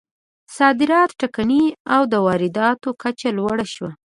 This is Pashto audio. صادرات ټکني او د وارداتو کچه لوړه شوه.